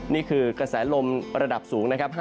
นี่คือกระแสลมระดับสูงนะครับ